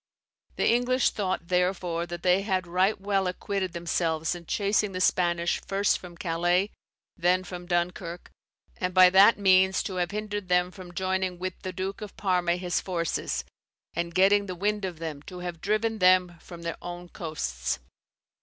The English thought, therefore, that they had right well acquitted themselves, in chasing the Spaniards first from Caleis, and then from Dunkerk, and by that meanes to have hindered them from joyning with the Duke of Parma his forces, and getting the wind of them, to have driven them from their own coasts.